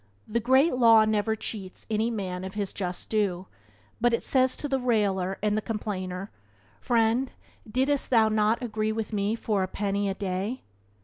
The Great Law never cheats any man of his just due, but it says to the railer and the complainer, "Friend didst thou not agree with me for a penny a day?"